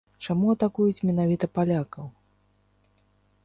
Чаму атакуюць менавіта палякаў?